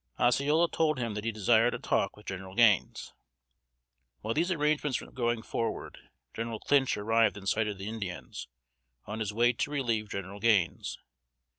Osceola told him that he desired a talk with General Gaines. While these arrangements were going forward, General Clinch arrived in sight of the Indians, on his way to relieve General Gaines.